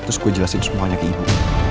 terus gue jelasin semuanya ke ibu